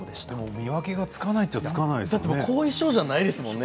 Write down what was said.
見分けがつかないといえばつかないですよね。